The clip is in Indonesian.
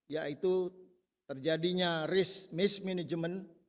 yaitu terjadinya risk mismanagement